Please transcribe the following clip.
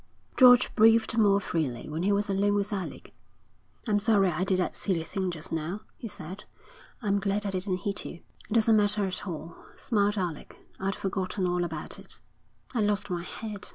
George breathed more freely when he was alone with Alec. 'I'm sorry I did that silly thing just now,' he said. 'I'm glad I didn't hit you.' 'It doesn't matter at all,' smiled Alec. 'I'd forgotten all about it.' 'I lost my head.